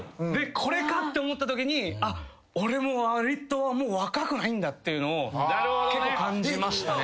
これかって思ったときにあっ俺もわりともう若くないんだっていうのを結構感じましたね。